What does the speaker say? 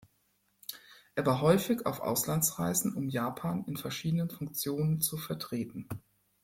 Er war häufig auf Auslandsreisen, um Japan in verschiedenen Funktionen zu vertreten.